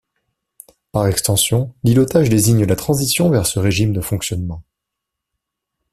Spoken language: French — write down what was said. Par extension, l'îlotage désigne la transition vers ce régime de fonctionnement.